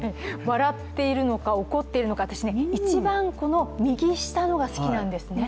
笑っているのか、怒っているのか、私、一番右下のが好きなんですね。